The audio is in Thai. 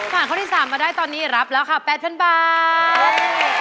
ความเข้าที่สามมาได้ตอนนี้รับราคา๘๐๐๐บาท